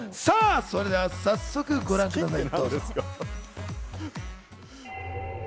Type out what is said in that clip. それでは早速ご覧ください。